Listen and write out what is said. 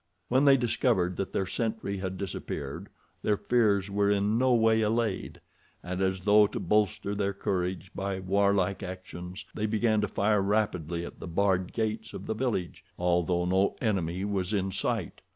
When they discovered that their sentry had disappeared, their fears were in no way allayed, and as though to bolster their courage by warlike actions, they began to fire rapidly at the barred gates of the village, although no enemy was in sight.